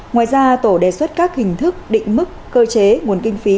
ngoài ra tổ đề xuất các hình thức định mức cơ chế nguồn kinh phí